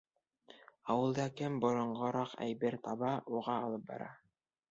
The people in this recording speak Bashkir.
Ауылда кем боронғораҡ әйбер таба, уға алып бара.